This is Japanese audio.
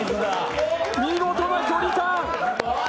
見事な距離感。